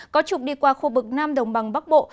có trục đi qua khu vực nam đồng bằng bắc bộ